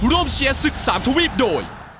ร่วมเชียร์ศึกษามทวีปโดย